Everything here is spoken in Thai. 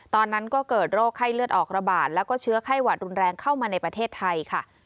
ตอนนั้นก็เกิดโรคไข้เลือดออกระบาดแล้วก็เชื้อไข้หวัดรุนแรงเข้ามาในประเทศไทยค่ะ